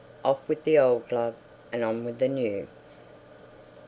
"OFF WITH THE OLD LOVE, AND ON WITH THE NEW."